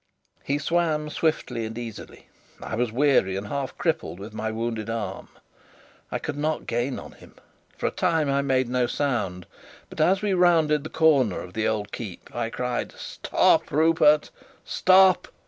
He swam swiftly and easily. I was weary and half crippled with my wounded arm. I could not gain on him. For a time I made no sound, but as we rounded the corner of the old keep I cried: "Stop, Rupert, stop!"